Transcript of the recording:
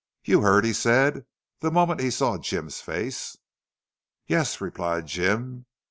"You heard?" he said, the moment he saw Jim's face. "Yes," replied Jim.